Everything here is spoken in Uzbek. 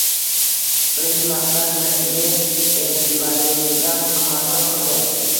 Birinchi marta neft ekvivalentidan qimmatroq qildi.